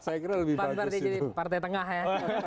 saya kira lebih bagus itu partai partai jadi partai tengah ya